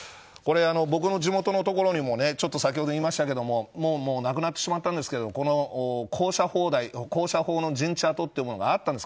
僕の地元のところにもね先ほど言いましたけどなくなってしまったんですけどこの高射砲の陣地跡というものがあったんです。